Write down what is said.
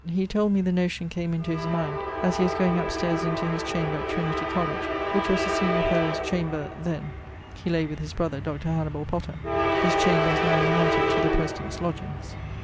He told me the notion came into his mind as he was goeing up staires into his chamber at Trin. Coll. which was the senior fellowe's chamber then (he lay with his brother, Dr. Hannibal Potter): this chamber is now united to the President's lodgeings.